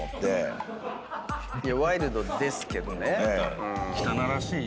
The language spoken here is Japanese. ワイルドですけどね。